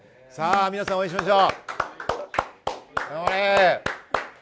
皆さん応援しましょう。